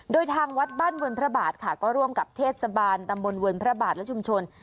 โดยทางวัดบ้านเวิร์นพระบาทค่ะก็ร่วมกับเทศบาลตำบลเวินพระบาทและชุมชน